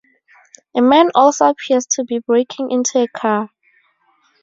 A man also appears to be breaking into a car.